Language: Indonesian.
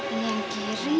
ini yang kiri